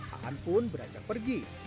aan pun beranjak pergi